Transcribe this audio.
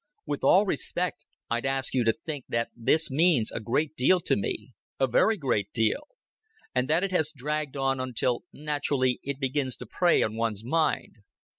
With all respect, I'd ask you to think that this means a great deal to me a very great deal; and that it has dragged on until naturally it begins to prey on one's mind.